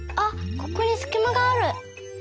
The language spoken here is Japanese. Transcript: ここにすきまがある。